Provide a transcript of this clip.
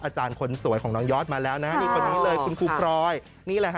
อาจารย์คนสวยของน้องยอดมาแล้วนะฮะคุณคุพรอยคันดี้เลย